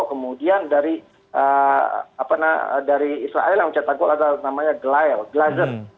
kemudian dari israel yang mencetak gol adalah namanya glazer